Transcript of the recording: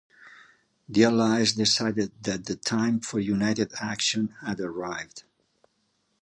The allies decided that the time for united action had arrived.